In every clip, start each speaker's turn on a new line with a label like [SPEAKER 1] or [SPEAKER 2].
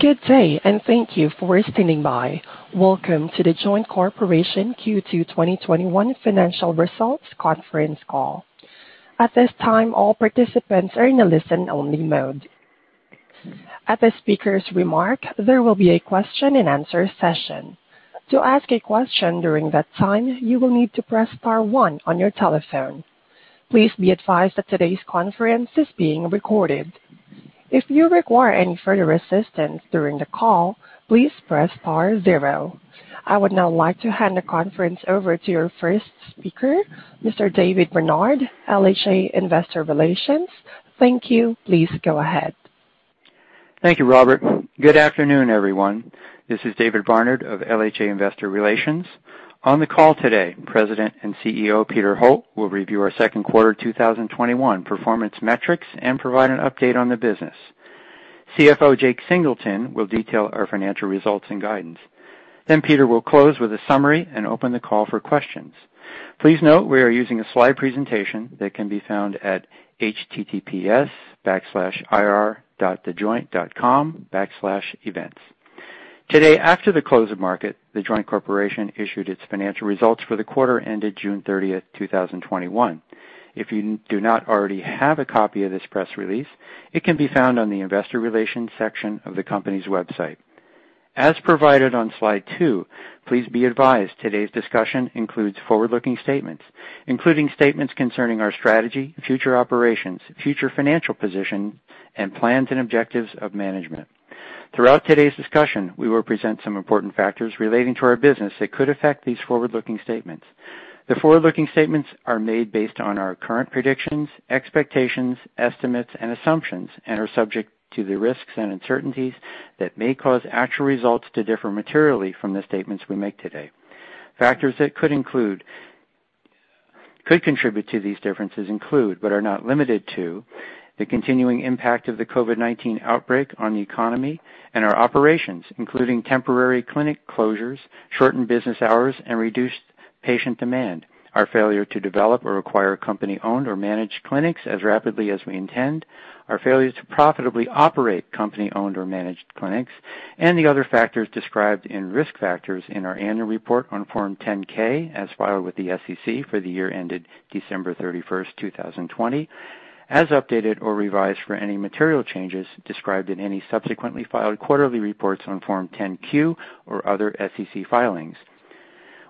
[SPEAKER 1] Good day, and thank you for standing by. Welcome to The Joint Corp. Q2 2021 financial results conference call. At this time, all participants are in a listen-only mode. At the speaker's remark, there will be a question and answer session. To ask a question during that time, you will need to press star one on your telephone. Please be advised that today's conference is being recorded. If you require any further assistance during the call, please press star zero. I would now like to hand the conference over to your first speaker, Mr. David Barnard, LHA Investor Relations. Thank you. Please go ahead.
[SPEAKER 2] Thank you, Robert. Good afternoon, everyone. This is David Barnard of LHA Investor Relations. On the call today, President and CEO, Peter Holt, will review our second quarter 2021 performance metrics and provide an update on the business. CFO Jake Singleton will detail our financial results and guidance. Peter will close with a summary and open the call for questions. Please note we are using a slide presentation that can be found at https://ir.thejoint.com/events. Today, after the close of market, The Joint Corp. issued its financial results for the quarter ended June 30th, 2021. If you do not already have a copy of this press release, it can be found on the investor relations section of the company's website. As provided on slide two, please be advised today's discussion includes forward-looking statements, including statements concerning our strategy, future operations, future financial position, and plans and objectives of management. Throughout today's discussion, we will present some important factors relating to our business that could affect these forward-looking statements. The forward-looking statements are made based on our current predictions, expectations, estimates, and assumptions and are subject to the risks and uncertainties that may cause actual results to differ materially from the statements we make today. Factors that could contribute to these differences include, but are not limited to, the continuing impact of the COVID-19 outbreak on the economy and our operations, including temporary clinic closures, shortened business hours, and reduced patient demand, our failure to develop or acquire company-owned or managed clinics as rapidly as we intend, our failure to profitably operate company-owned or managed clinics, and the other factors described in risk factors in our annual report on Form 10-K, as filed with the SEC for the year ended December 31st, 2020, as updated or revised for any material changes described in any subsequently filed quarterly reports on Form 10-Q or other SEC filings.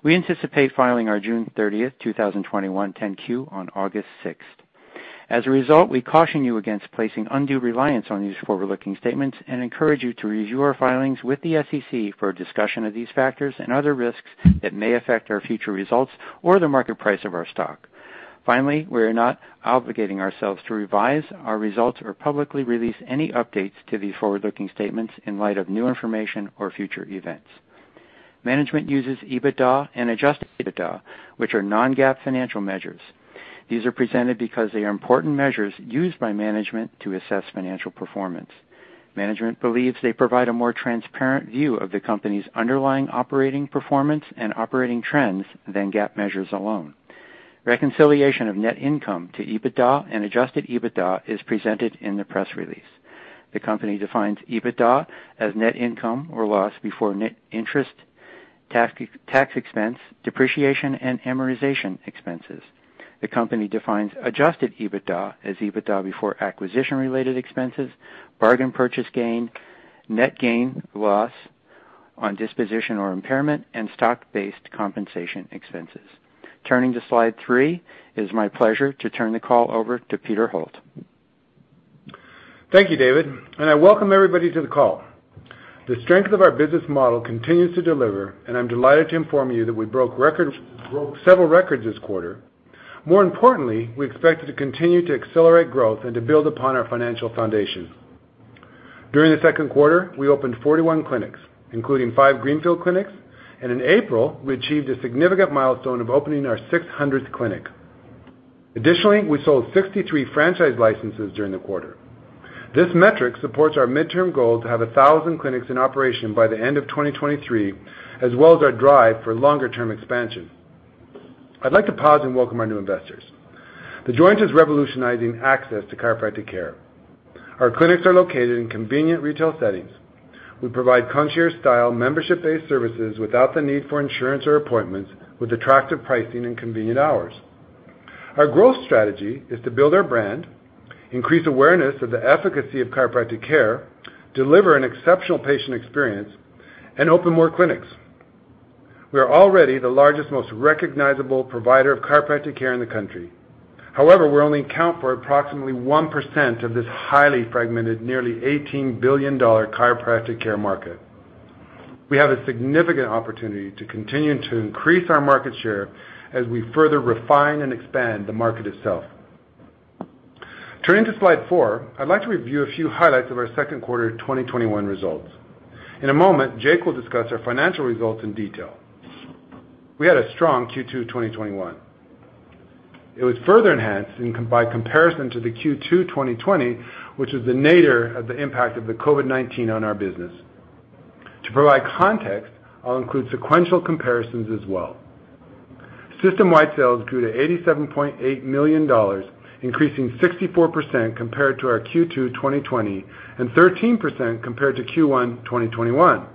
[SPEAKER 2] We anticipate filing our June 30th, 2021 10-Q on August 6th. As a result, we caution you against placing undue reliance on these forward-looking statements and encourage you to review our filings with the SEC for a discussion of these factors and other risks that may affect our future results or the market price of our stock. Finally, we are not obligating ourselves to revise our results or publicly release any updates to these forward-looking statements in light of new information or future events. Management uses EBITDA and adjusted EBITDA, which are non-GAAP financial measures. These are presented because they are important measures used by management to assess financial performance. Management believes they provide a more transparent view of the company's underlying operating performance and operating trends than GAAP measures alone. Reconciliation of net income to EBITDA and adjusted EBITDA is presented in the press release. The company defines EBITDA as net income or loss before net interest, tax expense, depreciation, and amortization expenses. The company defines adjusted EBITDA as EBITDA before acquisition-related expenses, bargain purchase gain, net gain/loss on disposition or impairment, and stock-based compensation expenses. Turning to slide three, it is my pleasure to turn the call over to Peter Holt.
[SPEAKER 3] Thank you, David. I welcome everybody to the call. The strength of our business model continues to deliver. I'm delighted to inform you that we broke several records this quarter. More importantly, we expect to continue to accelerate growth and to build upon our financial foundation. During the second quarter, we opened 41 clinics, including five greenfield clinics. In April, we achieved a significant milestone of opening our 600th clinic. Additionally, we sold 63 franchise licenses during the quarter. This metric supports our midterm goal to have 1,000 clinics in operation by the end of 2023, as well as our drive for longer-term expansion. I'd like to pause and welcome our new investors. The Joint is revolutionizing access to chiropractic care. Our clinics are located in convenient retail settings. We provide concierge-style, membership-based services without the need for insurance or appointments, with attractive pricing and convenient hours. Our growth strategy is to build our brand, increase awareness of the efficacy of chiropractic care, deliver an exceptional patient experience, and open more clinics. We are already the largest, most recognizable provider of chiropractic care in the country. We only account for approximately 1% of this highly fragmented, nearly $18 billion chiropractic care market. We have a significant opportunity to continue to increase our market share as we further refine and expand the market itself. Turning to slide four, I'd like to review a few highlights of our second quarter 2021 results. In a moment, Jake will discuss our financial results in detail. We had a strong Q2 2021. It was further enhanced by comparison to the Q2 2020, which was the nadir of the impact of the COVID-19 on our business. To provide context, I'll include sequential comparisons as well. System-wide sales grew to $87.8 million, increasing 64% compared to our Q2 2020, and 13% compared to Q1 2021.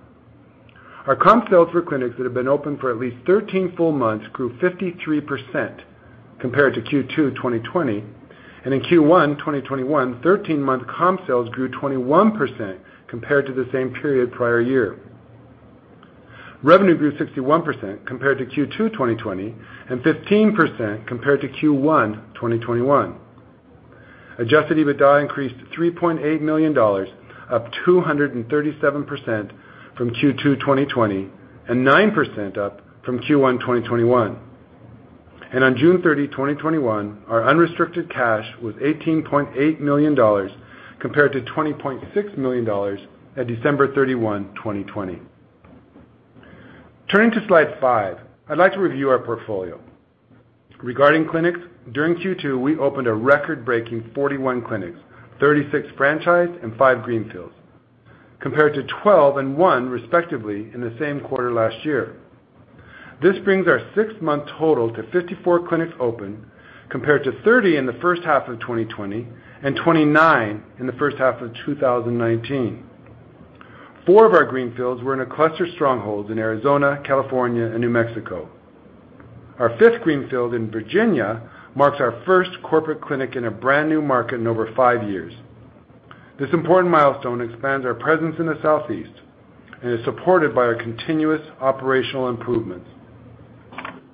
[SPEAKER 3] Our comp sales for clinics that have been open for at least 13 full months grew 53% compared to Q2 2020. In Q1 2021, 13-month comp sales grew 21% compared to the same period prior year. Revenue grew 61% compared to Q2 2020, and 15% compared to Q1 2021. Adjusted EBITDA increased to $3.8 million, up 237% from Q2 2020, and 9% up from Q1 2021. On June 30, 2021, our unrestricted cash was $18.8 million, compared to $20.6 million at December 31, 2020. Turning to slide five, I'd like to review our portfolio. Regarding clinics, during Q2, we opened a record-breaking 41 clinics, 36 franchised and five greenfields, compared to 12 and one respectively, in the same quarter last year. This brings our six-month total to 54 clinics open, compared to 30 in the first half of 2020, and 29 in the first half of 2019. Four of our greenfields were in a cluster stronghold in Arizona, California, and New Mexico. Our fifth greenfield in Virginia marks our first corporate clinic in a brand-new market in over five years. This important milestone expands our presence in the Southeast and is supported by our continuous operational improvements.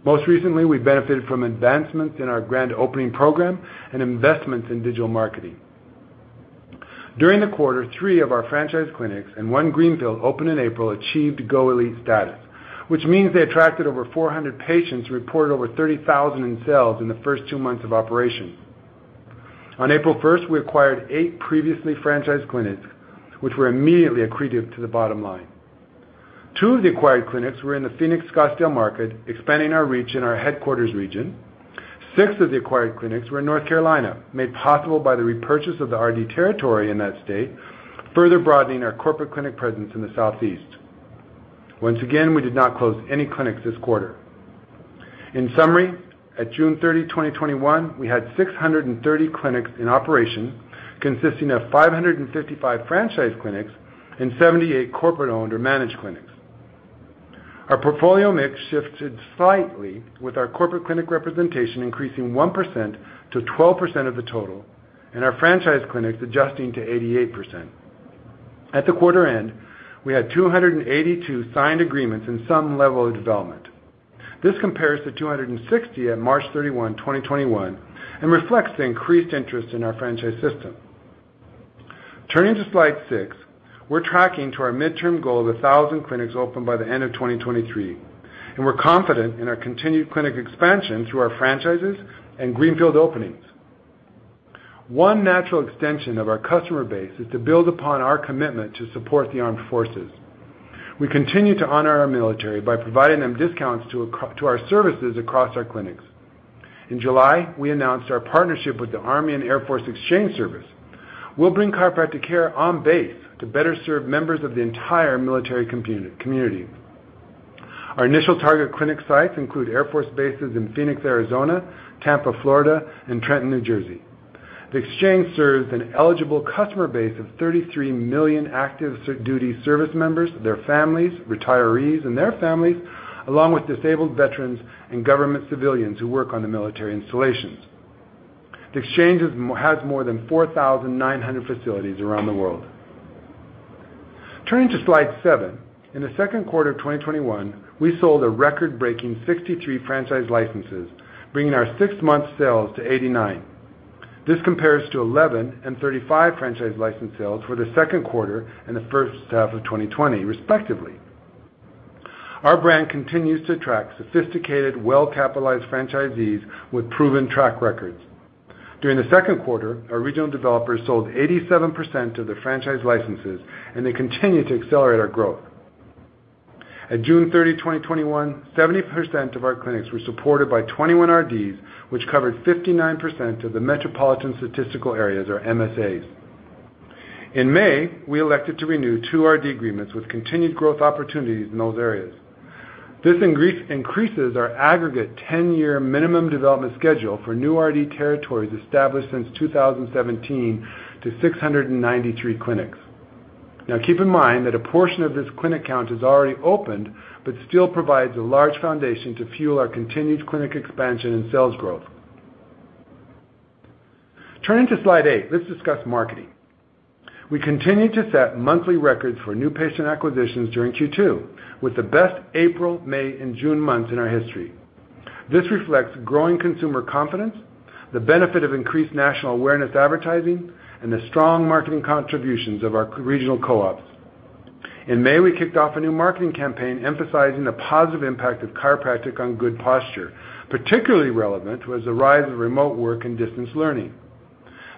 [SPEAKER 3] Most recently, we benefited from advancements in our grand opening program and investments in digital marketing. During the quarter, three of our franchise clinics and one greenfield opened in April, achieved Go Elite status, which means they attracted over 400 patients, reported over $30,000 in sales in the first two months of operation. On April 1st, we acquired eight previously franchised clinics, which were immediately accretive to the bottom line. Two of the acquired clinics were in the Phoenix, Scottsdale market, expanding our reach in our headquarters region. Six of the acquired clinics were in North Carolina, made possible by the repurchase of the RD territory in that state, further broadening our corporate clinic presence in the Southeast. Once again, we did not close any clinics this quarter. In summary, at June 30, 2021, we had 630 clinics in operation, consisting of 555 franchise clinics and 78 corporate-owned or managed clinics. Our portfolio mix shifted slightly, with our corporate clinic representation increasing 1%-12% of the total, and our franchise clinics adjusting to 88%. At the quarter end, we had 282 signed agreements in some level of development. This compares to 260 at March 31, 2021, and reflects the increased interest in our franchise system. Turning to slide six, we're tracking to our midterm goal of 1,000 clinics open by the end of 2023, and we're confident in our continued clinic expansion through our franchises and greenfield openings. One natural extension of our customer base is to build upon our commitment to support the armed forces. We continue to honor our military by providing them discounts to our services across our clinics. In July, we announced our partnership with the Army & Air Force Exchange Service. We'll bring chiropractic care on base to better serve members of the entire military community. Our initial target clinic sites include Air Force bases in Phoenix, Arizona, Tampa, Florida, and Trenton, New Jersey. The Exchange serves an eligible customer base of 33 million active duty service members, their families, retirees, and their families, along with disabled veterans and government civilians who work on the military installations. The Exchange has more than 4,900 facilities around the world. Turning to slide seven, in Q2 2021, we sold a record-breaking 63 franchise licenses, bringing our six-month sales to 89. This compares to 11 and 35 franchise license sales for Q2 and the first half of 2020, respectively. Our brand continues to attract sophisticated, well-capitalized franchisees with proven track records. During Q2, our regional developers sold 87% of their franchise licenses, and they continue to accelerate our growth. At June 30, 2021, 70% of our clinics were supported by 21 RDs, which covered 59% of the Metropolitan Statistical Areas or MSAs. In May, we elected to renew two RD agreements with continued growth opportunities in those areas. This increases our aggregate 10-year minimum development schedule for new RD territories established since 2017 to 693 clinics. Keep in mind that a portion of this clinic count is already opened but still provides a large foundation to fuel our continued clinic expansion and sales growth. Turning to slide eight, let's discuss marketing. We continued to set monthly records for new patient acquisitions during Q2, with the best April, May, and June months in our history. This reflects growing consumer confidence, the benefit of increased national awareness advertising, and the strong marketing contributions of our regional co-ops. In May, we kicked off a new marketing campaign emphasizing the positive impact of chiropractic on good posture, particularly relevant with the rise of remote work and distance learning.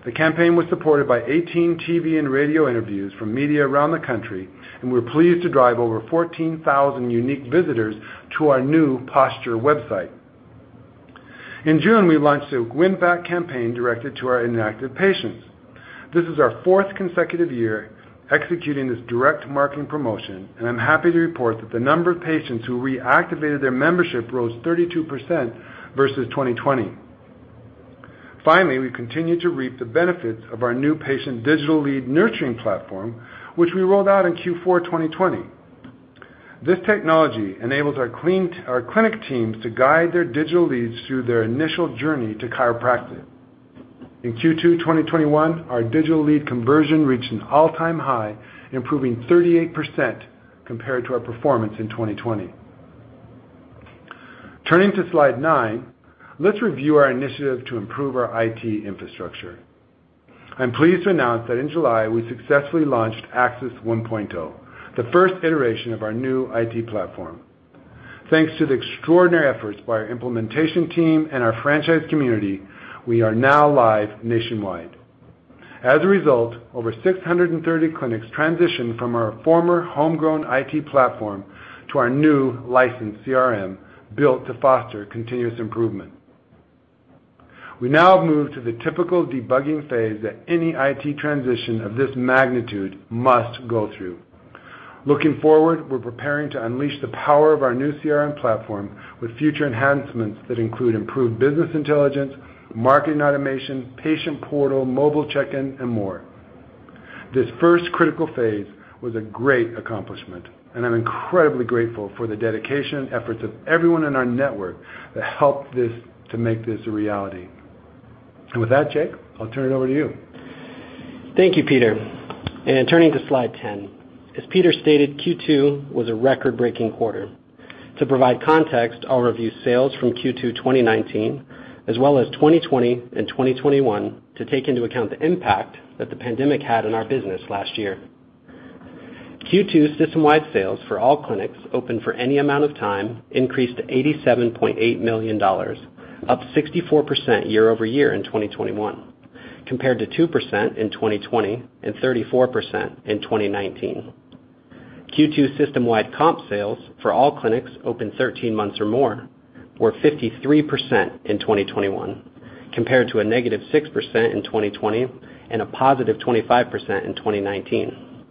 [SPEAKER 3] The campaign was supported by 18 TV and radio interviews from media around the country, and we're pleased to drive over 14,000 unique visitors to our new posture website. In June, we launched a win-back campaign directed to our inactive patients. This is our fourth consecutive year executing this direct marketing promotion, and I'm happy to report that the number of patients who reactivated their membership rose 32% versus 2020. Finally, we continue to reap the benefits of our new patient digital lead nurturing platform, which we rolled out in Q4 2020. This technology enables our clinic teams to guide their digital leads through their initial journey to chiropractic. In Q2 2021, our digital lead conversion reached an all-time high, improving 38% compared to our performance in 2020. Turning to slide nine, let's review our initiative to improve our IT infrastructure. I'm pleased to announce that in July, we successfully launched AXIS 1.0, the first iteration of our new IT platform. Thanks to the extraordinary efforts by our implementation team and our franchise community, we are now live nationwide. As a result, over 630 clinics transitioned from our former homegrown IT platform to our new licensed CRM, built to foster continuous improvement. We now have moved to the typical debugging phase that any IT transition of this magnitude must go through. Looking forward, we're preparing to unleash the power of our new CRM platform with future enhancements that include improved business intelligence, marketing automation, patient portal, mobile check-in, and more. This first critical phase was a great accomplishment, and I'm incredibly grateful for the dedication and efforts of everyone in our network that helped to make this a reality. With that, Jake, I'll turn it over to you.
[SPEAKER 4] Thank you, Peter. Turning to slide 10. As Peter stated, Q2 was a record-breaking quarter. To provide context, I'll review sales from Q2 2019, as well as 2020 and 2021 to take into account the impact that the pandemic had on our business last year. Q2 system-wide sales for all clinics open for any amount of time increased to $87.8 million, up 64% year-over-year in 2021, compared to 2% in 2020 and 34% in 2019. Q2 system-wide comp sales for all clinics open 13 months or more were 53% in 2021, compared to a negative 6% in 2020 and a positive 25% in 2019.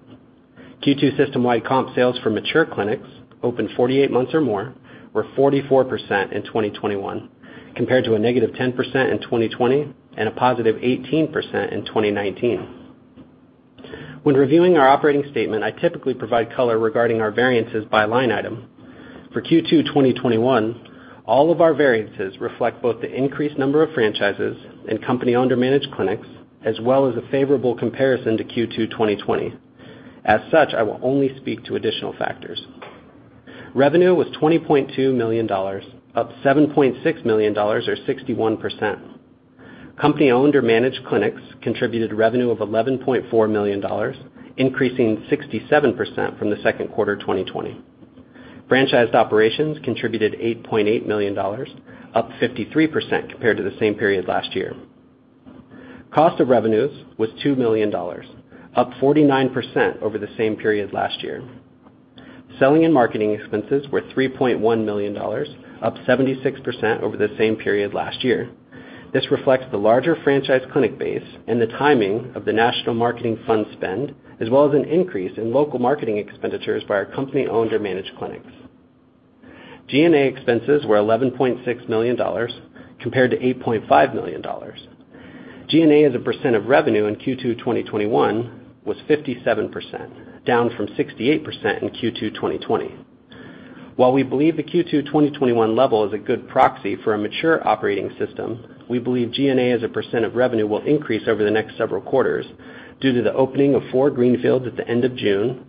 [SPEAKER 4] Q2 system-wide comp sales for mature clinics open 48 months or more were 44% in 2021, compared to a negative 10% in 2020 and a positive 18% in 2019. When reviewing our operating statement, I typically provide color regarding our variances by line item. For Q2 2021, all of our variances reflect both the increased number of franchises and company-owned or managed clinics, as well as a favorable comparison to Q2 2020. As such, I will only speak to additional factors. Revenue was $20.2 million, up $7.6 million or 61%. Company-owned or managed clinics contributed revenue of $11.4 million, increasing 67% from the second quarter 2020. Franchised operations contributed $8.8 million, up 53% compared to the same period last year. Cost of revenues was $2 million, up 49% over the same period last year. Selling and marketing expenses were $3.1 million, up 76% over the same period last year. This reflects the larger franchise clinic base and the timing of the national marketing fund spend, as well as an increase in local marketing expenditures by our company-owned or managed clinics. G&A expenses were $11.6 million compared to $8.5 million. G&A as a percent of revenue in Q2 2021 was 57%, down from 68% in Q2 2020. While we believe the Q2 2021 level is a good proxy for a mature operating system, we believe G&A as a percent of revenue will increase over the next several quarters due to the opening of four greenfields at the end of June,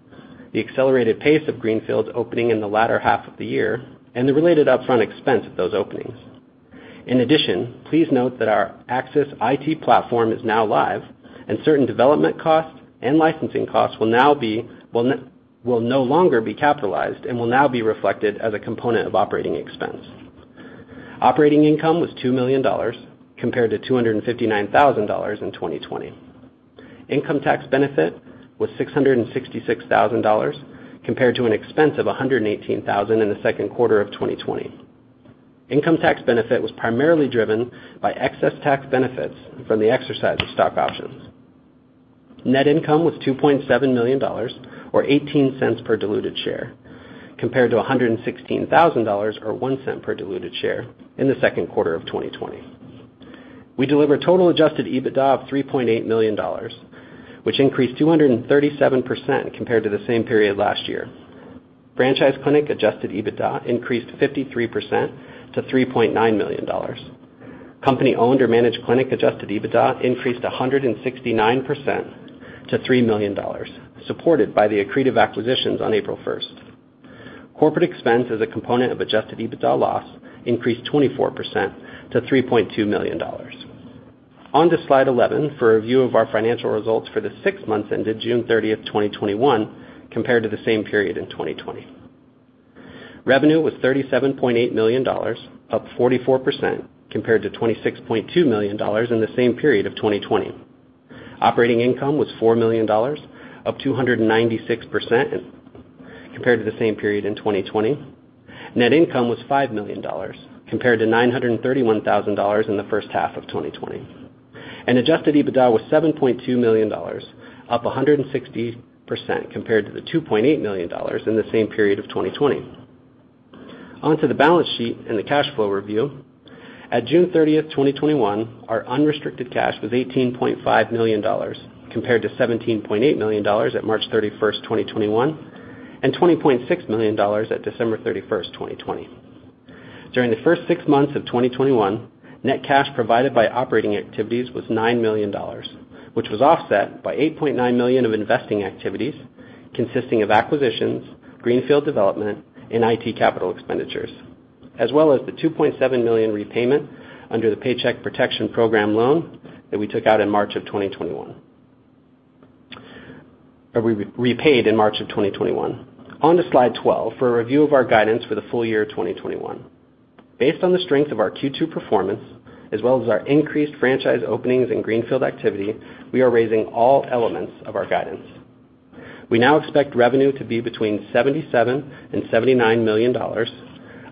[SPEAKER 4] the accelerated pace of greenfields opening in the latter half of the year, and the related upfront expense of those openings. In addition, please note that our AXIS IT platform is now live, and certain development costs and licensing costs will no longer be capitalized and will now be reflected as a component of operating expense. Operating income was $2 million compared to $259,000 in 2020. Income tax benefit was $666,000, compared to an expense of $118,000 in the second quarter of 2020. Income tax benefit was primarily driven by excess tax benefits from the exercise of stock options. Net income was $2.7 million, or $0.18 per diluted share, compared to $116,000, or $0.01 per diluted share in the second quarter of 2020. We delivered total adjusted EBITDA of $3.8 million, which increased 237% compared to the same period last year. Franchise clinic adjusted EBITDA increased 53% to $3.9 million. Company-owned or managed clinic adjusted EBITDA increased 169% to $3 million, supported by the accretive acquisitions on April 1st. Corporate expense as a component of adjusted EBITDA loss increased 24% to $3.2 million. On to slide 11 for a view of our financial results for the six months ended June 30th, 2021, compared to the same period in 2020. Revenue was $37.8 million, up 44%, compared to $26.2 million in the same period of 2020. Operating income was $4 million, up 296% compared to the same period in 2020. Net income was $5 million, compared to $931,000 in the first half of 2020. Adjusted EBITDA was $7.2 million, up 160% compared to the $2.8 million in the same period of 2020. On to the balance sheet and the cash flow review. At June 30th, 2021, our unrestricted cash was $18.5 million, compared to $17.8 million at March 31st, 2021, and $20.6 million at December 31st, 2020. During the first six months of 2021, net cash provided by operating activities was $9 million, which was offset by $8.9 million of investing activities consisting of acquisitions, greenfield development, and IT capital expenditures, as well as the $2.7 million repayment under the Paycheck Protection Program Loan that we took out in March of 2021. Or we repaid in March of 2021. On to slide 12 for a review of our guidance for the full year 2021. Based on the strength of our Q2 performance, as well as our increased franchise openings and greenfield activity, we are raising all elements of our guidance. We now expect revenue to be between $77 million and $79 million,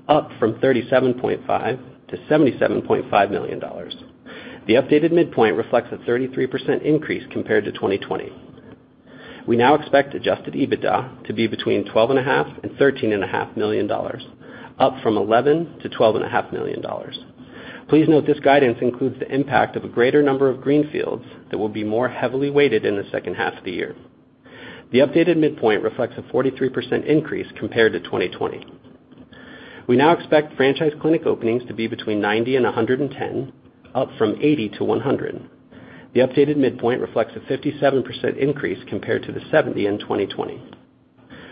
[SPEAKER 4] up from $37.5 million-$77.5 million. The updated midpoint reflects a 33% increase compared to 2020. We now expect adjusted EBITDA to be between $12.5 million and $13.5 million, up from $11 million-$12.5 million. Please note this guidance includes the impact of a greater number of greenfields that will be more heavily weighted in the second half of the year. The updated midpoint reflects a 43% increase compared to 2020. We now expect franchise clinic openings to be between 90 and 110, up from 80-100. The updated midpoint reflects a 57% increase compared to the 70 in 2020.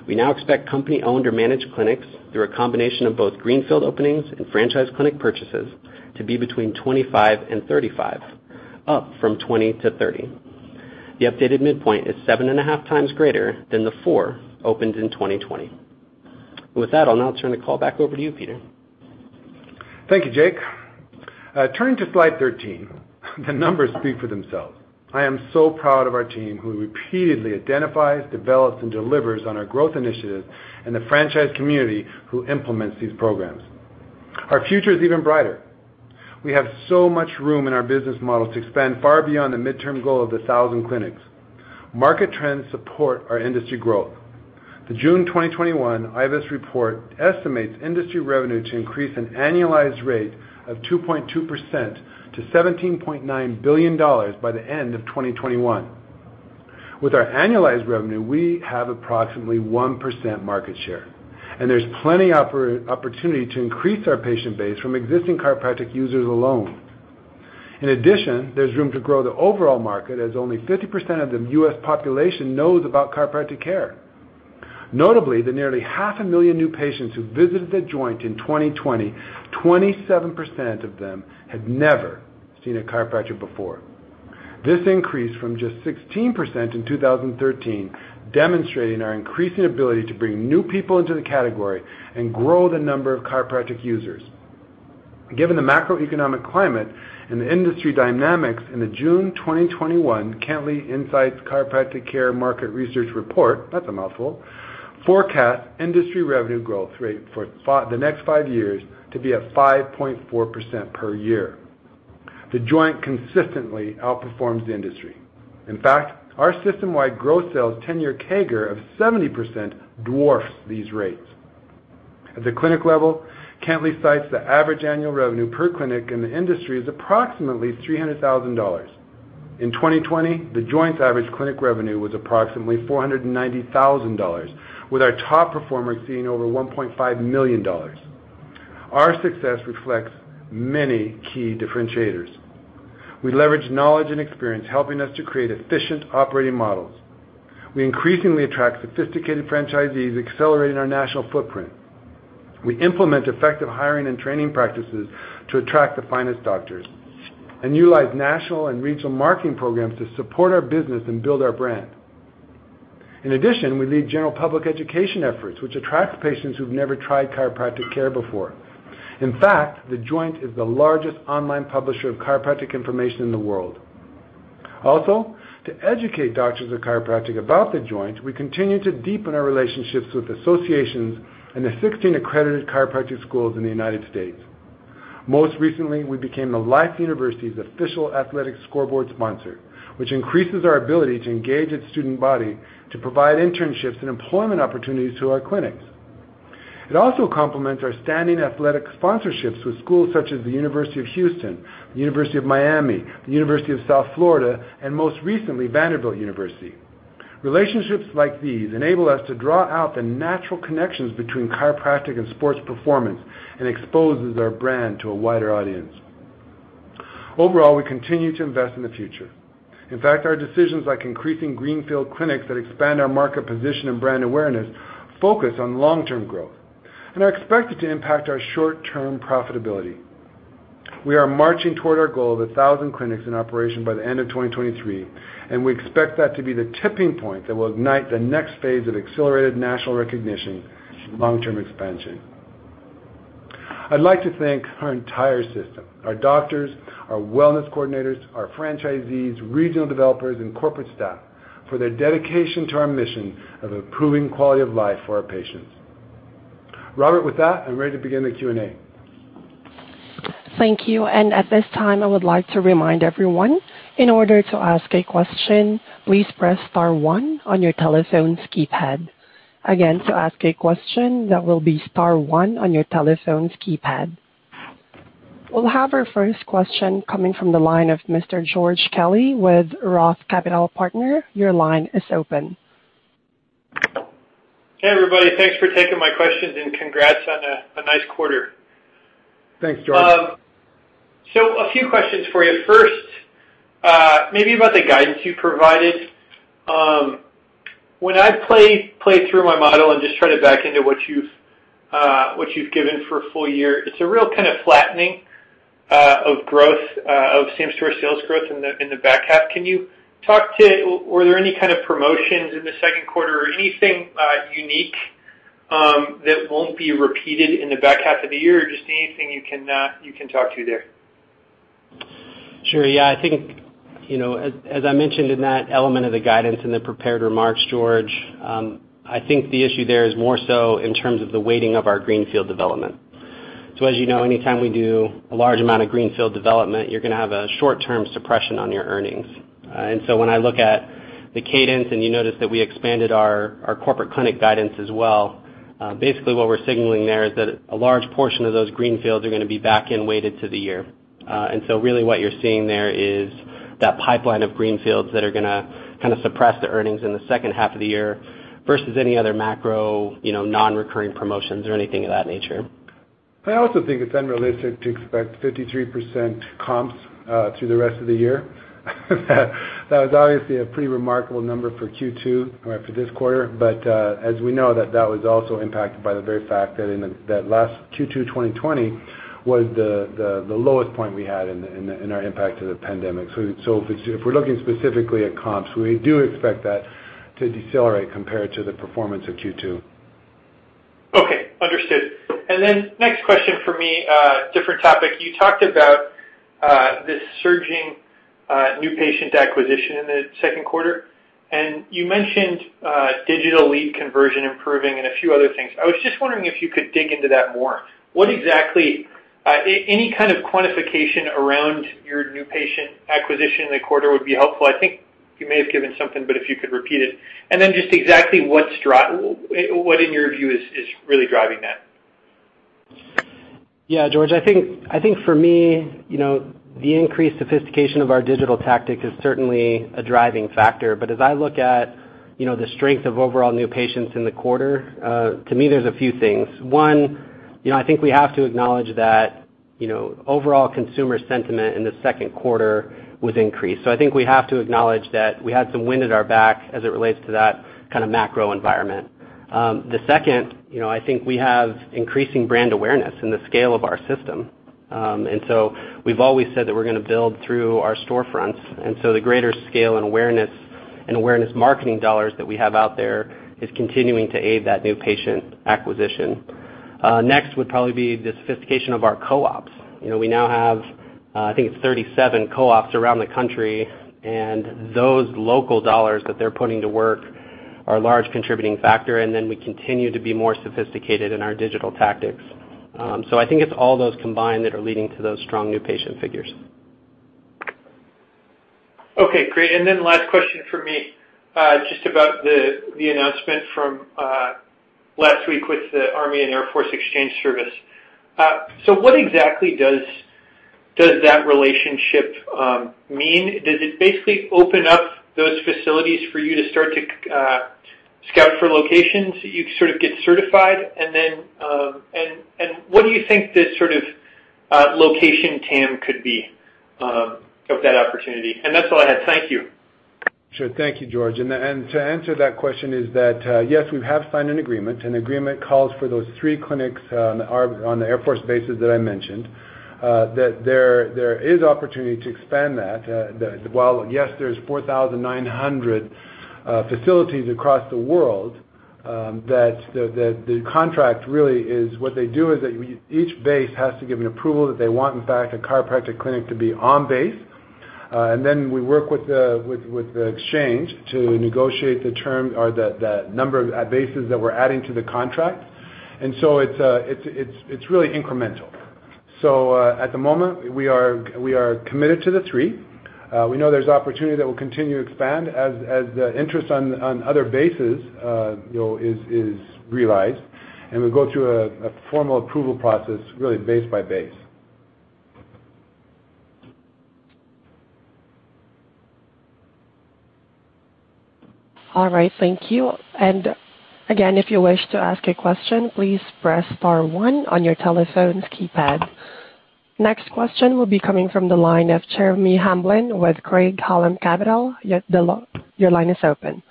[SPEAKER 4] We now expect company-owned or managed clinics, through a combination of both greenfield openings and franchise clinic purchases, to be between 25 and 35, up from 20-30. The updated midpoint is seven and a half times greater than the four opened in 2020. With that, I'll now turn the call back over to you, Peter.
[SPEAKER 3] Thank you, Jake. Turning to slide 13, the numbers speak for themselves. I am so proud of our team, who repeatedly identifies, develops, and delivers on our growth initiatives, and the franchise community who implements these programs. Our future is even brighter. We have so much room in our business model to expand far beyond the midterm goal of 1,000 clinics. Market trends support our industry growth. The June 2021 IBISWorld report estimates industry revenue to increase an annualized rate of 2.2% to $17.9 billion by the end of 2021. With our annualized revenue, we have approximately 1% market share, and there's plenty opportunity to increase our patient base from existing chiropractic users alone. In addition, there's room to grow the overall market, as only 50% of the U.S. population knows about chiropractic care. Notably, the nearly half a million new patients who visited The Joint in 2020, 27% of them had never seen a chiropractor before. This increased from just 16% in 2013, demonstrating our increasing ability to bring new people into the category and grow the number of chiropractic users. Given the macroeconomic climate and the industry dynamics in the June 2021 Kentley Insights Chiropractic Care Market Research Report, that's a mouthful, forecast industry revenue growth rate for the next five years to be at 5.4% per year. The Joint consistently outperforms the industry. In fact, our system-wide gross sales 10-year CAGR of 70% dwarfs these rates. At the clinic level, Kentley cites the average annual revenue per clinic in the industry is approximately $300,000. In 2020, The Joint's average clinic revenue was approximately $490,000, with our top performers seeing over $1.5 million. Our success reflects many key differentiators. We leverage knowledge and experience, helping us to create efficient operating models. We increasingly attract sophisticated franchisees, accelerating our national footprint. We implement effective hiring and training practices to attract the finest doctors, and utilize national and regional marketing programs to support our business and build our brand. In addition, we lead general public education efforts, which attracts patients who've never tried chiropractic care before. In fact, The Joint is the largest online publisher of chiropractic information in the world. To educate doctors of chiropractic about The Joint, we continue to deepen our relationships with associations and the 16 accredited chiropractic schools in the United States. Most recently, we became the Life University's official athletic scoreboard sponsor, which increases our ability to engage its student body to provide internships and employment opportunities to our clinics. It also complements our standing athletic sponsorships with schools such as the University of Houston, University of Miami, the University of South Florida, and most recently, Vanderbilt University. Relationships like these enable us to draw out the natural connections between chiropractic and sports performance and exposes our brand to a wider audience. Overall, we continue to invest in the future. In fact, our decisions like increasing greenfield clinics that expand our market position and brand awareness focus on long-term growth and are expected to impact our short-term profitability. We are marching toward our goal of 1,000 clinics in operation by the end of 2023, and we expect that to be the tipping point that will ignite the next phase of accelerated national recognition and long-term expansion. I'd like to thank our entire system, our doctors, our wellness coordinators, our franchisees, regional developers, and corporate staff for their dedication to our mission of improving quality of life for our patients. Robert, with that, I'm ready to begin the Q&A.
[SPEAKER 1] Thank you. At this time, I would like to remind everyone, in order to ask a question, please press star one on your telephone's keypad. Again, to ask a question, that will be star one on your telephone's keypad. We'll have our first question coming from the line of Mr. George Kelly with ROTH Capital Partners. Your line is open.
[SPEAKER 5] Hey, everybody. Thanks for taking my questions. Congrats on a nice quarter.
[SPEAKER 3] Thanks, George.
[SPEAKER 5] A few questions for you. First, maybe about the guidance you provided. When I play through my model and just try to back into what you've given for a full year, it's a real kind of flattening of same-store sales growth in the back half. Were there any kind of promotions in the second quarter or anything unique that won't be repeated in the back half of the year, or just anything you can talk to there?
[SPEAKER 4] Sure. Yeah. I think, as I mentioned in that element of the guidance in the prepared remarks, George, I think the issue there is more so in terms of the weighting of our greenfield development. As you know, anytime we do a large amount of greenfield development, you're going to have a short-term suppression on your earnings. When I look at the cadence, and you notice that we expanded our corporate clinic guidance as well, basically what we're signaling there is that a large portion of those greenfields are going to be back end weighted to the year. Really what you're seeing there is that pipeline of greenfields that are going to kind of suppress the earnings in the second half of the year versus any other macro non-recurring promotions or anything of that nature.
[SPEAKER 3] I also think it's unrealistic to expect 53% comps through the rest of the year. That was obviously a pretty remarkable number for Q2 or for this quarter, but as we know, that was also impacted by the very fact that last Q2 2020 was the lowest point we had in our impact of the pandemic. If we're looking specifically at comps, we do expect that to decelerate compared to the performance of Q2.
[SPEAKER 5] Okay. Understood. Next question for me, different topic. You talked about this surging new patient acquisition in the second quarter. You mentioned digital lead conversion improving and a few other things. I was just wondering if you could dig into that more. Any kind of quantification around your new patient acquisition in the quarter would be helpful. I think you may have given something. If you could repeat it. Just exactly what, in your view, is really driving that?
[SPEAKER 4] George, I think for me, the increased sophistication of our digital tactics is certainly a driving factor. As I look at the strength of overall new patients in the quarter, to me, there's a few things. One, I think we have to acknowledge that overall consumer sentiment in the second quarter was increased. I think we have to acknowledge that we had some wind at our back as it relates to that kind of macro environment. The second, I think we have increasing brand awareness in the scale of our system. We've always said that we're going to build through our storefronts. The greater scale and awareness marketing dollars that we have out there is continuing to aid that new patient acquisition. Next would probably be the sophistication of our co-ops. We now have, I think it's 37 co-ops around the country. Those local dollars that they're putting to work are a large contributing factor. We continue to be more sophisticated in our digital tactics. I think it's all those combined that are leading to those strong new patient figures.
[SPEAKER 5] Okay. Great. Last question for me, just about the announcement from last week with the Army & Air Force Exchange Service. What exactly does that relationship mean? Does it basically open up those facilities for you to start to scout for locations that you sort of get certified? What do you think this sort of location TAM could be of that opportunity? That's all I had. Thank you.
[SPEAKER 3] Sure. Thank you, George. To answer that question is that, yes, we have signed an agreement. An agreement calls for those three clinics on the Air Force bases that I mentioned, that there is opportunity to expand that. While, yes, there's 4,900 facilities across the world, that the contract really is what they do is that each base has to give an approval that they want, in fact, a chiropractic clinic to be on base. We work with The Exchange to negotiate the term or the number of bases that we're adding to the contract. It's really incremental. At the moment, we are committed to the three. We know there's opportunity that will continue to expand as the interest on other bases is realized. We go through a formal approval process, really base by base.
[SPEAKER 1] All right. Thank you. Again, if you wish to ask a question, please press star one on your telephone's keypad. Next question will be coming from the line of Jeremy Hamblin with Craig-Hallum Capital. Your line is open.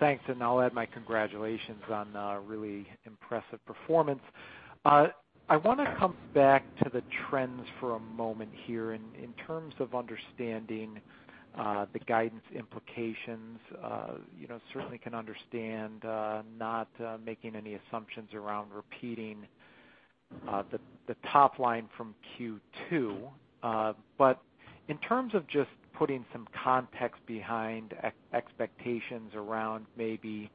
[SPEAKER 6] Thanks. I'll add my congratulations on a really impressive performance. I want to come back to the trends for a moment here in terms of understanding the guidance implications. Certainly can understand not making any assumptions around repeating the top line from Q2. In terms of just putting some context behind expectations around maybe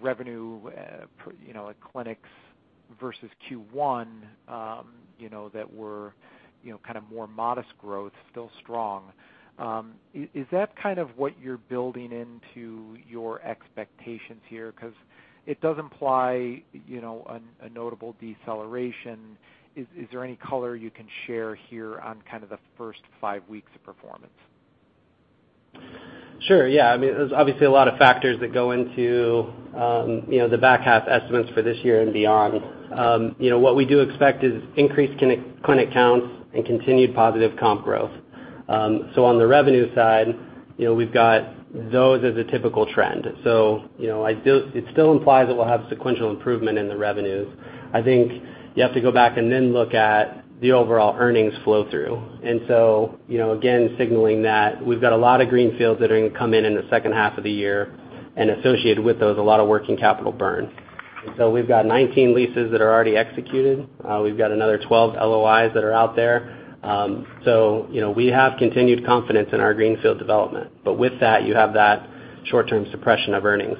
[SPEAKER 6] revenue at clinics versus Q1 that were kind of more modest growth, still strong. Is that kind of what you're building into your expectations here? Because it does imply a notable deceleration. Is there any color you can share here on kind of the first five weeks of performance?
[SPEAKER 4] Sure. There's obviously a lot of factors that go into the back half estimates for this year and beyond. What we do expect is increased clinic counts and continued positive comp growth. On the revenue side, we've got those as a typical trend. It still implies that we'll have sequential improvement in the revenues. I think you have to go back and then look at the overall earnings flow through. Again, signaling that we've got a lot of greenfields that are going to come in in the second half of the year, and associated with those, a lot of working capital burn. We've got 19 leases that are already executed. We've got another 12 LOIs that are out there. We have continued confidence in our greenfield development. With that, you have that short-term suppression of earnings.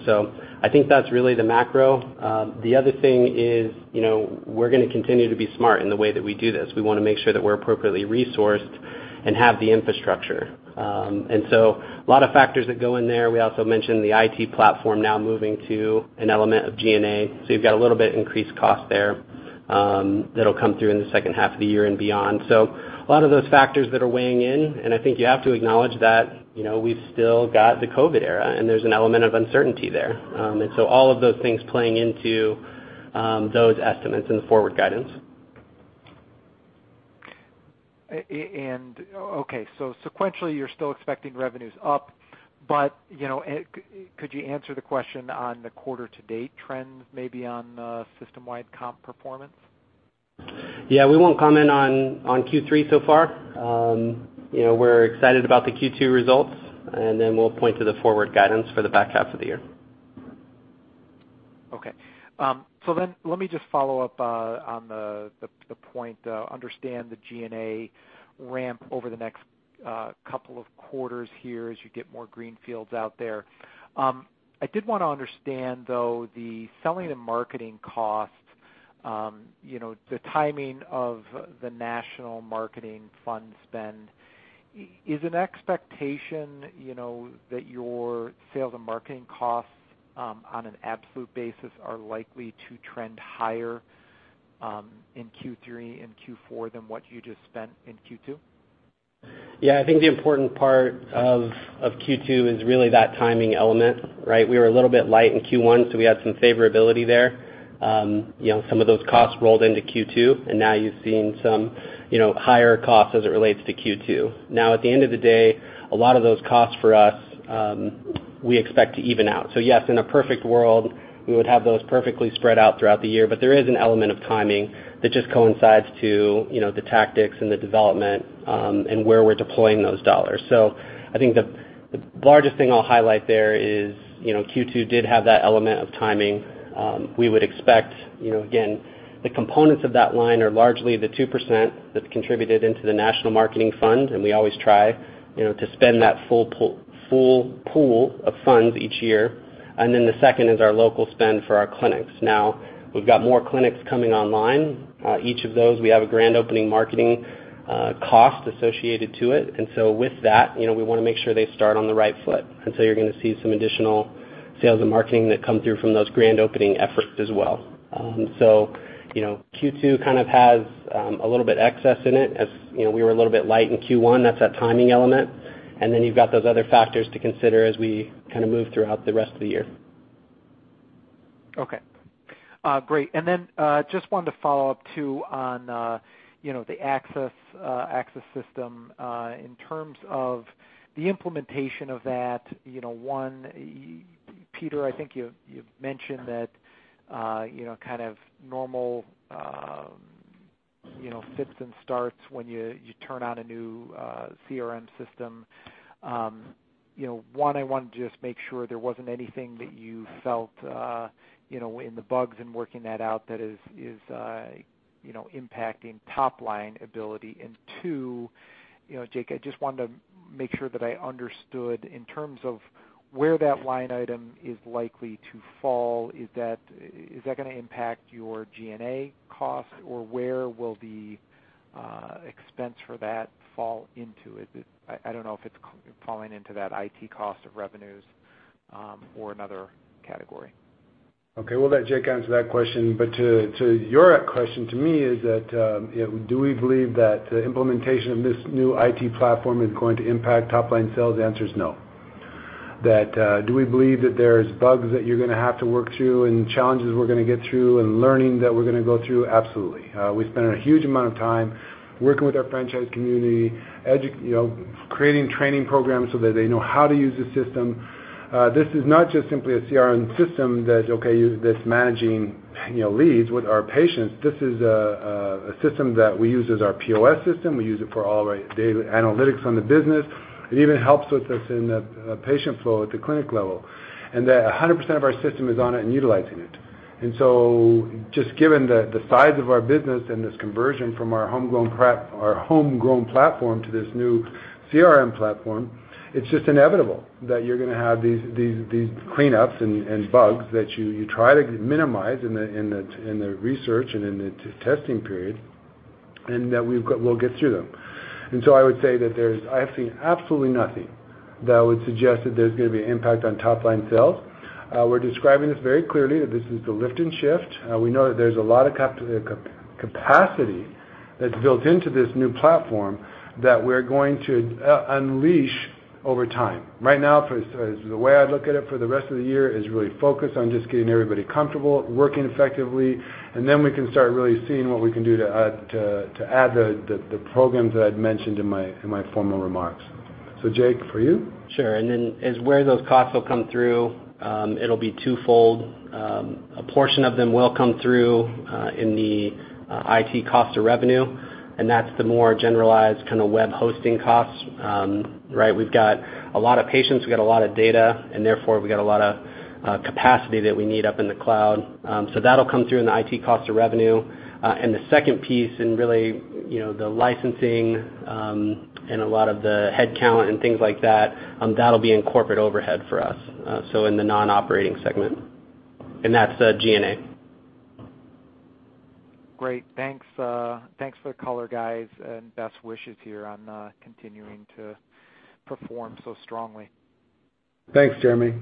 [SPEAKER 4] I think that's really the macro. The other thing is we're going to continue to be smart in the way that we do this. We want to make sure that we're appropriately resourced and have the infrastructure. A lot of factors that go in there. We also mentioned the IT platform now moving to an element of G&A. You've got a little bit increased cost there that'll come through in the second half of the year and beyond. A lot of those factors that are weighing in, and I think you have to acknowledge that we've still got the COVID era, and there's an element of uncertainty there. All of those things playing into those estimates and the forward guidance.
[SPEAKER 6] Okay. Sequentially, you're still expecting revenues up, but could you answer the question on the quarter to date trends, maybe on system-wide comp performance?
[SPEAKER 4] Yeah. We won't comment on Q3 so far. We're excited about the Q2 results. We'll point to the forward guidance for the back half of the year.
[SPEAKER 6] Okay. Let me just follow up on the point, understand the G&A ramp over the next couple of quarters here as you get more greenfields out there. I did want to understand, though, the selling and marketing costs, the timing of the national marketing fund spend. Is an expectation that your sales and marketing costs, on an absolute basis, are likely to trend higher in Q3 and Q4 than what you just spent in Q2?
[SPEAKER 4] Yeah, I think the important part of Q2 is really that timing element, right? We were a little bit light in Q1, so we had some favorability there. Some of those costs rolled into Q2, and now you're seeing some higher costs as it relates to Q2. Now, at the end of the day, a lot of those costs for us, we expect to even out. Yes, in a perfect world, we would have those perfectly spread out throughout the year, but there is an element of timing that just coincides to the tactics and the development, and where we're deploying those dollars. I think the largest thing I'll highlight there is Q2 did have that element of timing. We would expect, again, the components of that line are largely the 2% that's contributed into the national marketing fund, and we always try to spend that full pool of funds each year. The second is our local spend for our clinics. Now we've got more clinics coming online. Each of those, we have a grand opening marketing cost associated to it. With that, we want to make sure they start on the right foot. You're going to see some additional sales and marketing that come through from those grand opening efforts as well. Q2 kind of has a little bit excess in it, as we were a little bit light in Q1. That's that timing element. You've got those other factors to consider as we kind of move throughout the rest of the year.
[SPEAKER 6] Okay. Great. Just wanted to follow up too on the AXIS system. In terms of the implementation of that, one, Peter, I think you've mentioned that kind of normal fits and starts when you turn on a new CRM system. One, I wanted to just make sure there wasn't anything that you felt in the bugs in working that out that is impacting top line ability. Two, Jake, I just wanted to make sure that I understood in terms of where that line item is likely to fall. Is that going to impact your G&A cost, or where will the expense for that fall into? I don't know if it's falling into that IT cost of revenues or another category.
[SPEAKER 3] Okay, we'll let Jake answer that question. To your question to me is that, do we believe that the implementation of this new IT platform is going to impact top line sales? The answer is no. That do we believe that there's bugs that you're going to have to work through and challenges we're going to get through and learning that we're going to go through? Absolutely. We spend a huge amount of time working with our franchise community, creating training programs so that they know how to use the system. This is not just simply a CRM system that's managing leads with our patients. This is a system that we use as our POS system. We use it for all our daily analytics on the business. It even helps with the patient flow at the clinic level. That 100% of our system is on it and utilizing it. Just given the size of our business and this conversion from our homegrown platform to this new CRM platform, it's just inevitable that you're going to have these cleanups and bugs that you try to minimize in the research and in the testing period, and that we'll get through them. I would say that I see absolutely nothing that would suggest that there's going to be an impact on top-line sales. We're describing this very clearly, that this is the lift and shift. We know that there's a lot of capacity that's built into this new platform that we're going to unleash over time. Right now, the way I look at it for the rest of the year is really focused on just getting everybody comfortable, working effectively, and then we can start really seeing what we can do to add the programs that I'd mentioned in my formal remarks. Jake, for you?
[SPEAKER 4] Sure. As where those costs will come through, it'll be twofold. A portion of them will come through in the IT cost of revenue, and that's the more generalized kind of web hosting costs. We've got a lot of patients, we've got a lot of data, and therefore we got a lot of capacity that we need up in the cloud. That'll come through in the IT cost of revenue. The second piece and really the licensing, and a lot of the headcount and things like that'll be in corporate overhead for us. In the non-operating segment. That's the G&A.
[SPEAKER 6] Great. Thanks for the color, guys, and best wishes here on continuing to perform so strongly.
[SPEAKER 3] Thanks, Jeremy.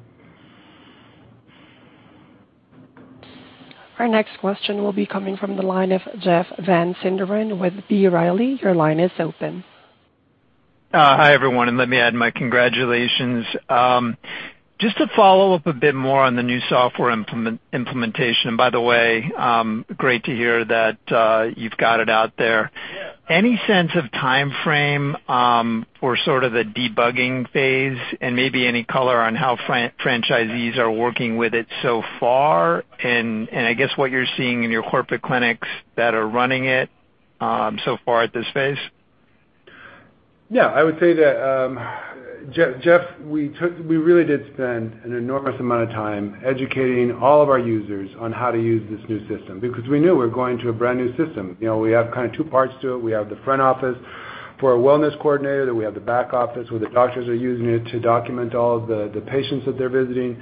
[SPEAKER 1] Our next question will be coming from the line of Jeff Van Sinderen with B. Riley. Your line is open.
[SPEAKER 7] Hi, everyone, and let me add my congratulations. Just to follow up a bit more on the new software implementation. By the way, great to hear that you've got it out there. Any sense of timeframe or sort of the debugging phase and maybe any color on how franchisees are working with it so far? I guess what you're seeing in your corporate clinics that are running it so far at this phase?
[SPEAKER 3] I would say that, Jeff, we really did spend an enormous amount of time educating all of our users on how to use this new system because we knew we're going to a brand-new system. We have kind of two parts to it. We have the front office for our wellness coordinator. We have the back office where the doctors are using it to document all of the patients that they're visiting.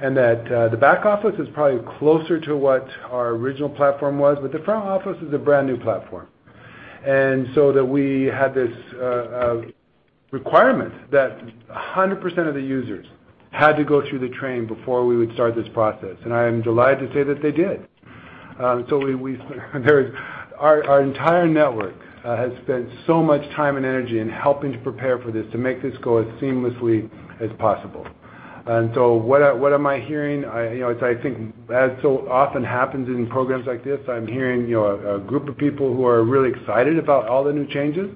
[SPEAKER 3] That the back office is probably closer to what our original platform was, but the front office is a brand-new platform. That we had this requirement that 100% of the users had to go through the training before we would start this process. I am delighted to say that they did. Our entire network has spent so much time and energy in helping to prepare for this to make this go as seamlessly as possible. What am I hearing? As so often happens in programs like this, I'm hearing a group of people who are really excited about all the new changes.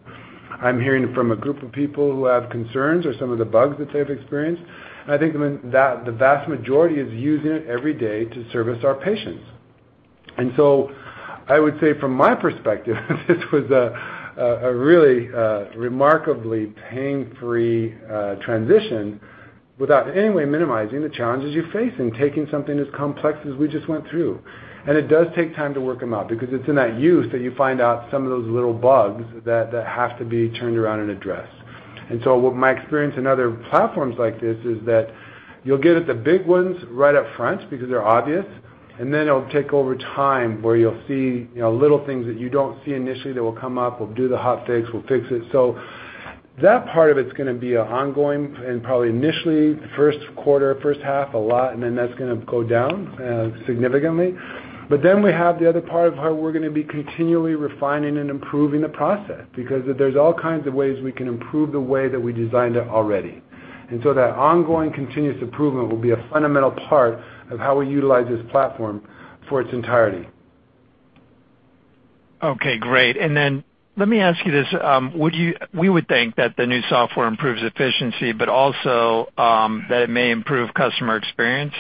[SPEAKER 3] I'm hearing from a group of people who have concerns or some of the bugs that they've experienced. I think the vast majority is using it every day to service our patients. I would say from my perspective, this was a really remarkably pain-free transition without in any way minimizing the challenges you face in taking something as complex as we just went through. It does take time to work them out because it's in that use that you find out some of those little bugs that have to be turned around and addressed. What my experience in other platforms like this is that you'll get at the big ones right up front because they're obvious, and then it'll take over time where you'll see little things that you don't see initially that will come up. We'll do the hotfix. We'll fix it. That part of it's going to be ongoing and probably initially the first quarter, first half a lot, and then that's going to go down significantly. We have the other part of how we're going to be continually refining and improving the process because there's all kinds of ways we can improve the way that we designed it already. That ongoing continuous improvement will be a fundamental part of how we utilize this platform for its entirety.
[SPEAKER 7] Okay, great. Let me ask you this. We would think that the new software improves efficiency, but also that it may improve customer experience,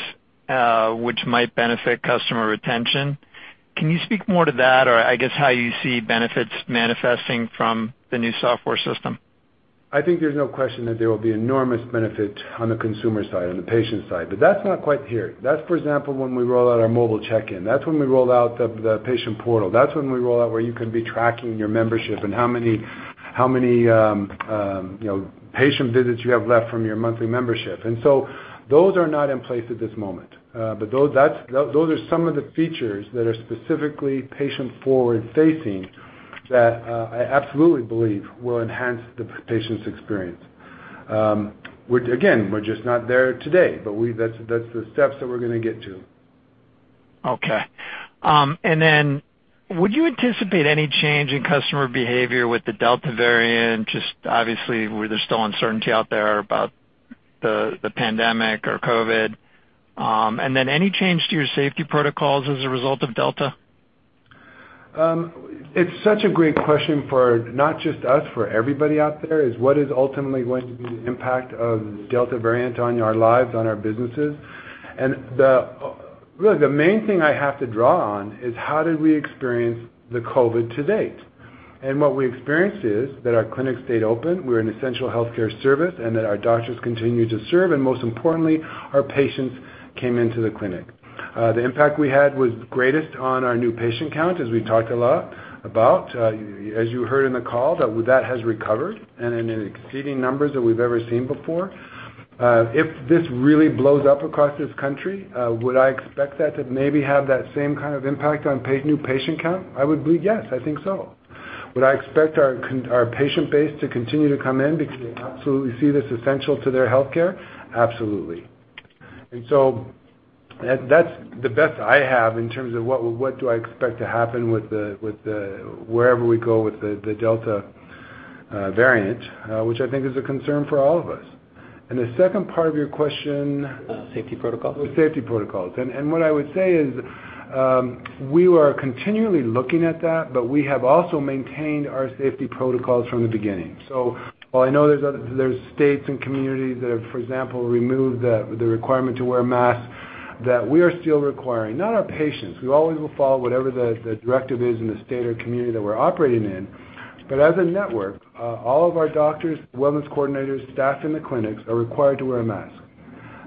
[SPEAKER 7] which might benefit customer retention. Can you speak more to that or, I guess, how you see benefits manifesting from the new software system?
[SPEAKER 3] I think there's no question that there will be enormous benefit on the consumer side, on the patient side. That's not quite here. That's, for example, when we roll out our mobile check-in. That's when we roll out the patient portal. That's when we roll out where you can be tracking your membership and how many patient visits you have left from your monthly membership. Those are not in place at this moment. Those are some of the features that are specifically patient-forward facing that I absolutely believe will enhance the patient's experience. Which again, we're just not there today, but that's the steps that we're going to get to.
[SPEAKER 7] Okay. Would you anticipate any change in customer behavior with the Delta variant? Just obviously, where there is still uncertainty out there about the pandemic or COVID. Any change to your safety protocols as a result of Delta?
[SPEAKER 3] It's such a great question for not just us, for everybody out there, is what is ultimately going to be the impact of Delta variant on our lives, on our businesses? Really the main thing I have to draw on is how did we experience the COVID to date? What we experienced is that our clinics stayed open. We're an essential healthcare service, and that our doctors continued to serve, and most importantly, our patients came into the clinic. The impact we had was greatest on our new patient count, as we talked a lot about. As you heard in the call, that has recovered and in exceeding numbers that we've ever seen before. If this really blows up across this country, would I expect that to maybe have that same kind of impact on new patient count? I would believe yes. I think so. Would I expect our patient base to continue to come in because they absolutely see this essential to their healthcare? Absolutely. That's the best I have in terms of what do I expect to happen with wherever we go with the Delta variant, which I think is a concern for all of us. The second part of your question.
[SPEAKER 7] Safety protocols.
[SPEAKER 3] Safety protocols. What I would say is, we are continually looking at that, but we have also maintained our safety protocols from the beginning. While I know there's states and communities that have, for example, removed the requirement to wear a mask, that we are still requiring. Not our patients. We always will follow whatever the directive is in the state or community that we're operating in. As a network, all of our doctors, wellness coordinators, staff in the clinics are required to wear a mask.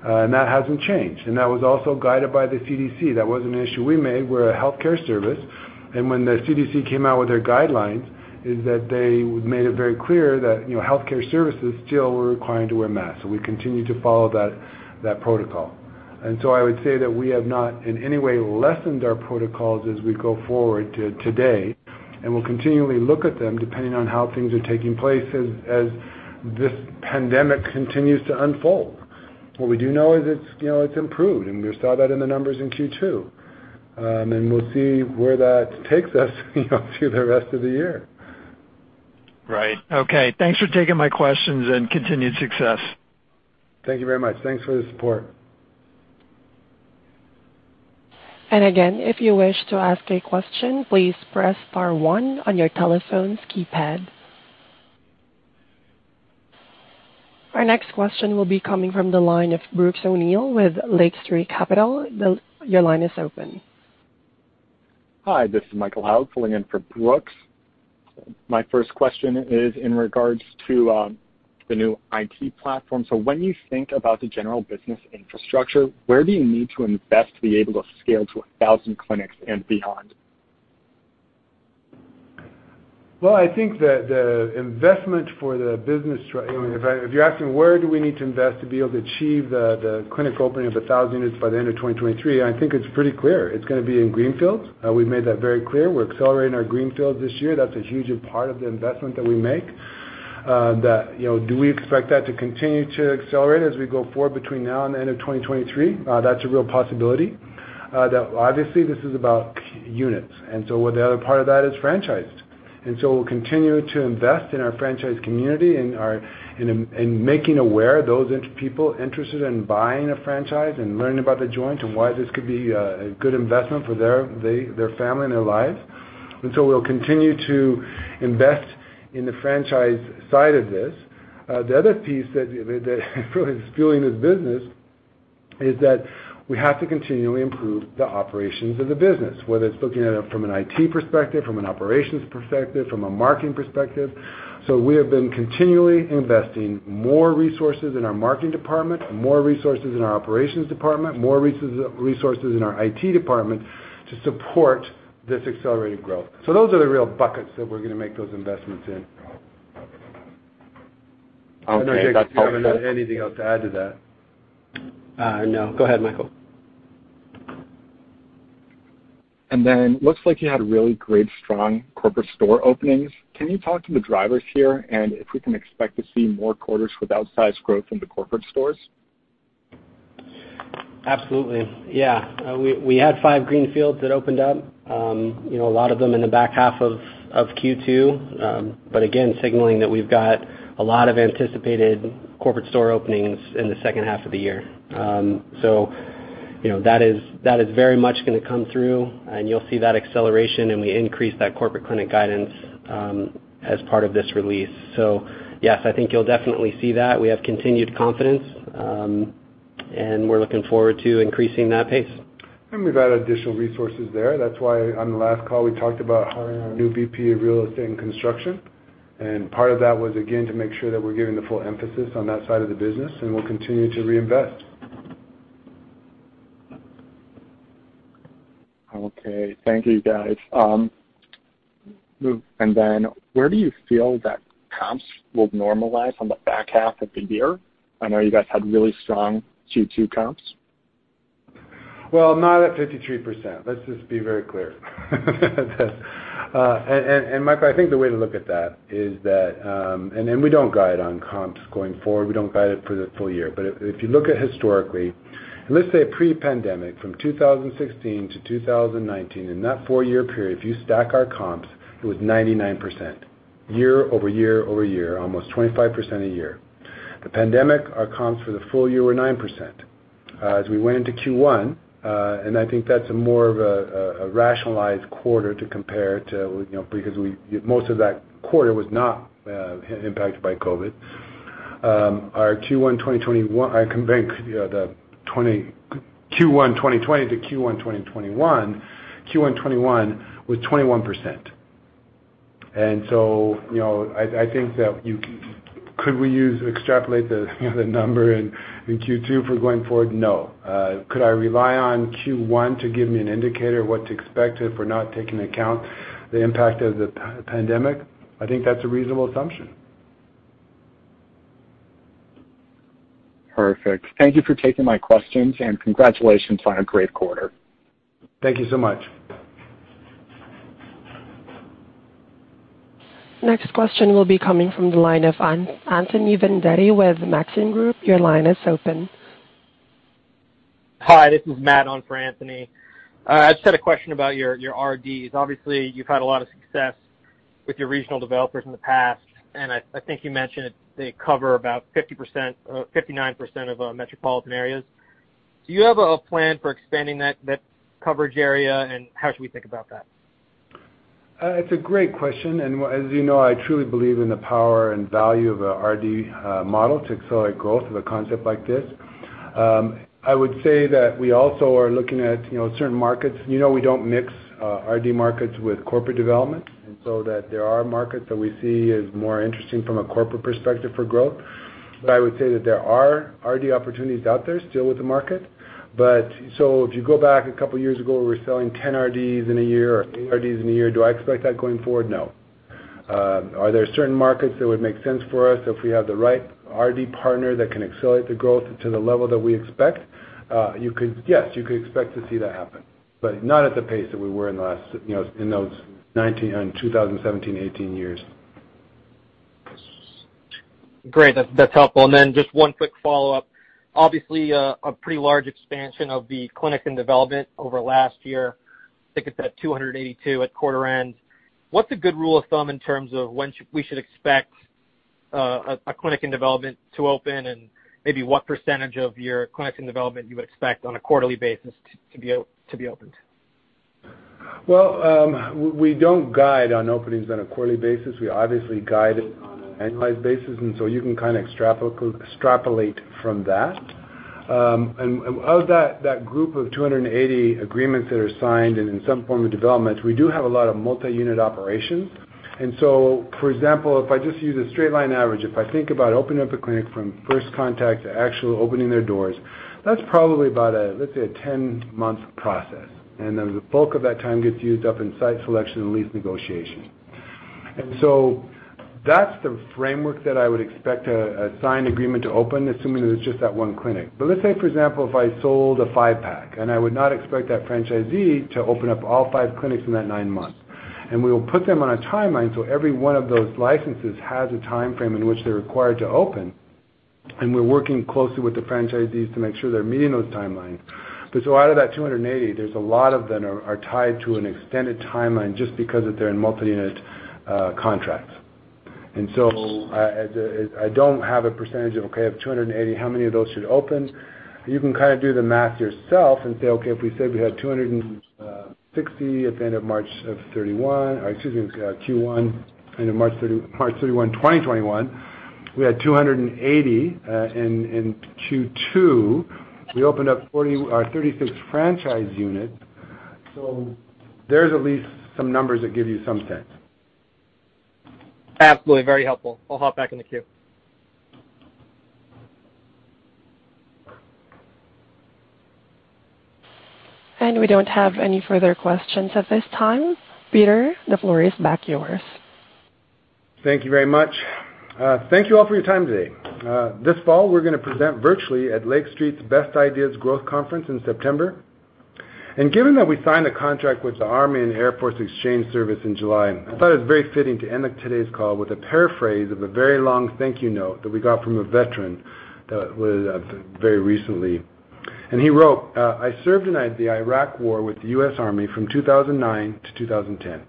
[SPEAKER 3] That hasn't changed. That was also guided by the CDC. That wasn't an issue we made. We're a healthcare service, and when the CDC came out with their guidelines, is that they made it very clear that healthcare services still were required to wear masks. We continue to follow that protocol. I would say that we have not in any way lessened our protocols as we go forward to today, and we'll continually look at them depending on how things are taking place as this pandemic continues to unfold. What we do know is it's improved, and we saw that in the numbers in Q2. We'll see where that takes us through the rest of the year.
[SPEAKER 7] Right. Okay. Thanks for taking my questions, and continued success.
[SPEAKER 3] Thank you very much. Thanks for the support.
[SPEAKER 1] Again, if you wish to ask a question, please press star one on your telephone's keypad. Our next question will be coming from the line of Brooks O'Neil with Lake Street Capital. Your line is open.
[SPEAKER 8] Hi, this is Michael Hout filling in for Brooks. My first question is in regards to the new IT platform. When you think about the general business infrastructure, where do you need to invest to be able to scale to 1,000 clinics and beyond?
[SPEAKER 3] Well, I think that the investment for the business. If you're asking where do we need to invest to be able to achieve the clinic opening of 1,000 units by the end of 2023, I think it's pretty clear. It's going to be in greenfields. We've made that very clear. We're accelerating our greenfields this year. That's a huge part of the investment that we make. Do we expect that to continue to accelerate as we go forward between now and the end of 2023? That's a real possibility. Obviously, this is about units, and so the other part of that is franchised. We'll continue to invest in our franchise community and making aware those people interested in buying a franchise and learning about The Joint and why this could be a good investment for their family and their lives. We'll continue to invest in the franchise side of this. The other piece that really is fueling this business is that we have to continually improve the operations of the business, whether it's looking at it from an IT perspective, from an operations perspective, from a marketing perspective. We have been continually investing more resources in our marketing department, more resources in our operations department, more resources in our IT department to support this accelerated growth. Those are the real buckets that we're going to make those investments in.
[SPEAKER 8] Okay. That's helpful.
[SPEAKER 3] I don't know, Jake, if you have anything else to add to that.
[SPEAKER 4] No. Go ahead, Michael.
[SPEAKER 8] Looks like you had really great, strong corporate store openings. Can you talk to the drivers here and if we can expect to see more quarters with outsized growth in the corporate stores?
[SPEAKER 4] Absolutely. Yeah. We had five greenfields that opened up. A lot of them in the back half of Q2. Again, signaling that we've got a lot of anticipated corporate store openings in the second half of the year. That is very much going to come through, and you'll see that acceleration, and we increased that corporate clinic guidance as part of this release. Yes, I think you'll definitely see that. We have continued confidence, and we're looking forward to increasing that pace.
[SPEAKER 3] We've added additional resources there. That's why on the last call, we talked about hiring a new VP of real estate and construction. Part of that was, again, to make sure that we're giving the full emphasis on that side of the business, and we'll continue to reinvest.
[SPEAKER 8] Okay. Thank you, guys. Where do you feel that comps will normalize on the back half of the year? I know you guys had really strong Q2 comps.
[SPEAKER 3] Well, not at 53%. Let's just be very clear. Michael, I think the way to look at that is we don't guide on comps going forward. We don't guide it for the full year. If you look at historically, let's say pre-pandemic from 2016-2019, in that four-year period, if you stack our comps, it was 99% year over year-over-year, almost 25% a year. The pandemic, our comps for the full year were 9%. As we went into Q1, and I think that's more of a rationalized quarter to compare to because most of that quarter was not impacted by COVID. Q1 2020 to Q1 2021, Q1 2021 was 21%. I think that could we extrapolate the number in Q2 for going forward? No. Could I rely on Q1 to give me an indicator of what to expect if we're not taking account the impact of the pandemic? I think that's a reasonable assumption.
[SPEAKER 8] Perfect. Thank you for taking my questions, and congratulations on a great quarter.
[SPEAKER 3] Thank you so much.
[SPEAKER 1] Next question will be coming from the line of Anthony Vendetti with Maxim Group. Your line is open.
[SPEAKER 9] Hi, this is Matt on for Anthony. I just had a question about your RDs. Obviously, you've had a lot of success with your regional developers in the past, and I think you mentioned they cover about 59% of metropolitan areas. Do you have a plan for expanding that coverage area, and how should we think about that?
[SPEAKER 3] It's a great question. As you know, I truly believe in the power and value of a RD model to accelerate growth of a concept like this. I would say that we also are looking at certain markets. You know we don't mix RD markets with corporate development, and so that there are markets that we see as more interesting from a corporate perspective for growth. I would say that there are RD opportunities out there still with the market. If you go back a couple of years ago, we were selling 10 RDs in a year or eight RDs in a year. Do I expect that going forward? No. Are there certain markets that would make sense for us if we have the right RD partner that can accelerate the growth to the level that we expect? Yes, you could expect to see that happen, but not at the pace that we were in those 2017 and 2018 years.
[SPEAKER 9] Great. That's helpful. Then just one quick follow-up. Obviously, a pretty large expansion of the clinic in development over last year. I think it's at 282 at quarter end. What's a good rule of thumb in terms of when we should expect a clinic in development to open, and maybe what percentage of your clinics in development you would expect on a quarterly basis to be opened?
[SPEAKER 3] Well, we don't guide on openings on a quarterly basis. We obviously guide on an annualized basis, so you can kind of extrapolate from that. Of that group of 280 agreements that are signed and in some form of development, we do have a lot of multi-unit operations. For example, if I just use a straight line average, if I think about opening up a clinic from first contact to actually opening their doors, that's probably about, let's say, a 10-month process. Then the bulk of that time gets used up in site selection and lease negotiation. So that's the framework that I would expect a signed agreement to open, assuming it was just that 1 clinic. Let's say, for example, if I sold a five-pack, and I would not expect that franchisee to open up all five clinics in that nine months. We will put them on a timeline, so every one of those licenses has a timeframe in which they're required to open, and we're working closely with the franchisees to make sure they're meeting those timelines. Out of that 280, there's a lot of them are tied to an extended timeline just because they're in multi-unit contracts. I don't have a percentage of, okay, of 280, how many of those should open? You can kind of do the math yourself and say, okay, if we said we had 260 at the end of March 31, 2021, we had 280 in Q2, we opened up our 36th franchise unit. There's at least some numbers that give you some sense.
[SPEAKER 9] Absolutely. Very helpful. I'll hop back in the queue.
[SPEAKER 1] We don't have any further questions at this time. Peter, the floor is back yours.
[SPEAKER 3] Thank you very much. Thank you all for your time today. This fall, we're going to present virtually at Lake Street Capital Markets Best Ideas Growth Conference in September. Given that we signed a contract with the Army & Air Force Exchange Service in July, I thought it was very fitting to end today's call with a paraphrase of a very long thank you note that we got from a veteran very recently. He wrote, "I served in the Iraq War with the US Army from 2009 to 2010.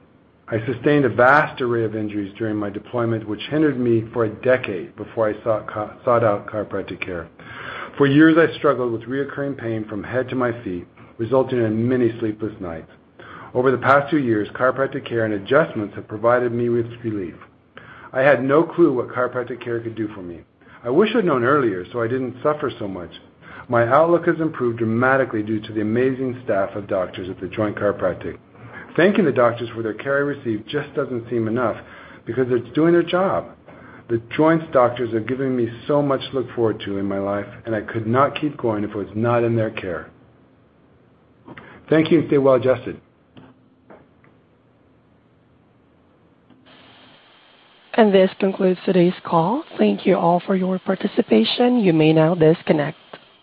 [SPEAKER 3] I sustained a vast array of injuries during my deployment, which hindered me for a decade before I sought out chiropractic care. For years, I struggled with reoccurring pain from head to my feet, resulting in many sleepless nights. Over the past two years, chiropractic care and adjustments have provided me with relief. I had no clue what chiropractic care could do for me. I wish I'd known earlier, so I didn't suffer so much. My outlook has improved dramatically due to the amazing staff of doctors at The Joint Chiropractic. Thanking the doctors for their care I received just doesn't seem enough because they're doing their job. The Joint's doctors are giving me so much to look forward to in my life, and I could not keep going if it was not in their care. Thank you. Stay well-adjusted.
[SPEAKER 1] This concludes today's call. Thank you all for your participation. You may now disconnect.